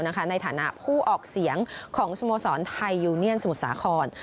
ในฐานะผู้ออกเสียงของสโมสรไทยยูเนียนสมุทรสาคร